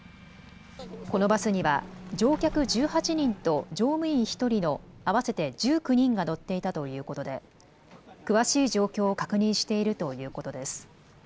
このバスには乗客１８人と乗務員１人の合わせて１９人が乗っていたということで詳しい状況を確認しているということです。